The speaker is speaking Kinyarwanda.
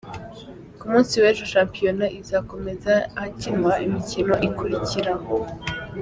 Ku munsi w’ejo shampiyona izakomeza hakinwa imikino ikurikira:.